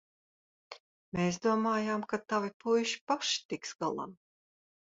Mēs domājām, ka tavi puiši paši tiks galā.